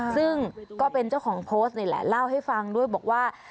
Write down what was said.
ซึ่งก็เป็นเจ้าของโพสต์นี่แหละเล่าให้ฟังด้วยบอกว่า